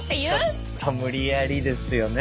ちょっと無理やりですよね